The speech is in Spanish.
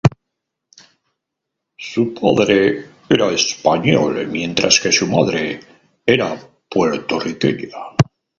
Su padre era español, mientras que su madre era puertorriqueña.